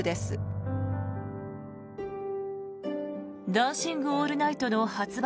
「ダンシング・オールナイト」の発売